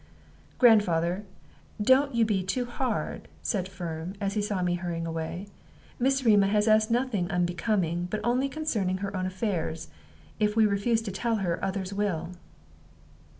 "Grandfather, don't you be too hard," said Firm, as he saw me hurrying away. "Miss Rema has asked nothing unbecoming, but only concerning her own affairs. If we refuse to tell her, others will."